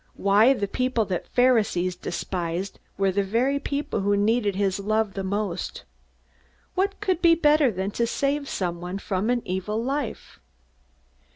Why, the people that the Pharisees despised were the very people who needed his love the most! What could be better than to save somebody from an evil life?